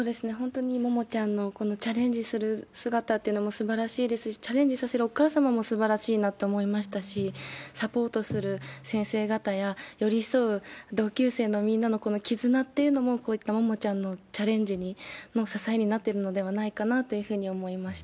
ももちゃんのこのチャレンジする姿っていうのもすばらしいですし、チャレンジさせるお母さんもすばらしいなと思いましたし、サポートする先生方や、寄り添う同級生のみんなのこの絆っていうのも、こういったももちゃんのチャレンジの支えになってるのではないか